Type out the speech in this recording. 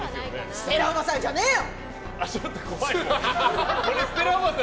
ステラおばさんじゃねーよ！